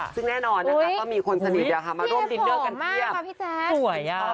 ซึ่งแน่นอนนะคะมีคนสนิทเดียวเข้ามาร่วมดินเด้อกันเพียบ